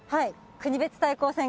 国別対抗戦が。